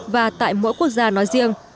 và tại mỗi quốc gia nói riêng